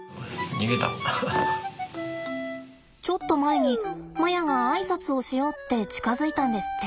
ちょっと前にマヤが挨拶をしようって近づいたんですって。